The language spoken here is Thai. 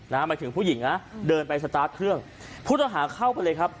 หมายถึงผู้หญิงนะเดินไปสตาร์ทเครื่องผู้ต้องหาเข้าไปเลยครับ